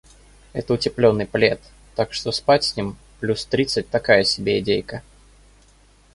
Это утеплённый плед, так что спать с ним в плюс тридцать такая себе идейка.